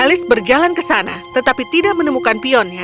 alice berjalan ke sana tetapi tidak menemukan pionnya